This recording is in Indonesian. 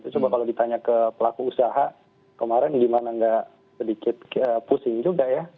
coba kalau ditanya ke pelaku usaha kemarin gimana nggak sedikit pusing juga ya